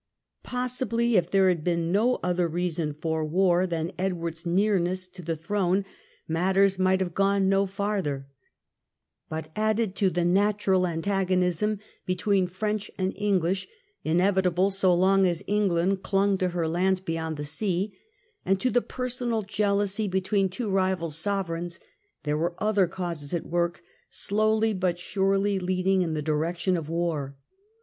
Possibly if there had been no q^^^^^^ ^f other reason for war than Edward's nearness to the War 9 129 130 THE END OF THE MIDDLE AGE throne, matters might have gone no farther ; but added to the natural antagonism between French and Eng hsh, inevitable so long as England clung to her lands beyond the sea, and to the personal jealousy between two rival sovereigns, there were other causes at work slowly but surely leading in the direction of war.